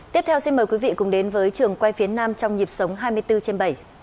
tiếp theo xin mời quý vị cùng đến với trường quay phía nam trong nhịp sống hai mươi bốn trên bảy